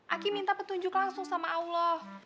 aki minta petunjuk langsung sama allah